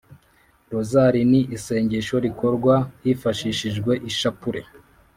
rozari ni isengesho rikorwa hifashishijwe ishapule.